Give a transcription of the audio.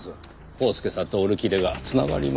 コースケさんとオルキデが繋がりましたか。